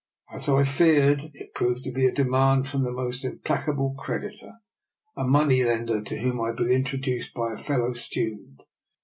As I feared, it proved to be a demand from my most implacable creditor, a money lender to whom I had been introduced by a fellow student.